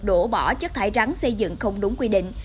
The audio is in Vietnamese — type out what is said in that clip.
đổ bỏ chất thải rắn xây dựng không đúng quy định